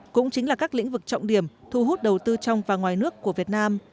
cũng chính là các lĩnh vực trọng điểm thu hút đầu tư trong và ngoài nước của việt nam